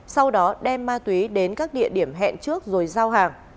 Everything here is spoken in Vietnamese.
sau đó đem ma túy đến các địa điểm hẹn trước rồi giao hàng